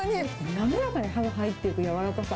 滑らかに歯が入っていくやわらかさ。